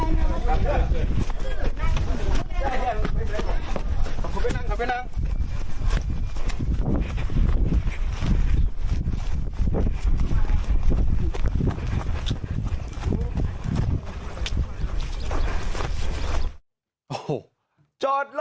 ไม่ใช่แค่บอว์ทวิ่งละ